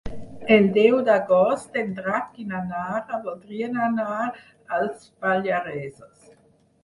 El deu d'agost en Drac i na Nara voldrien anar als Pallaresos.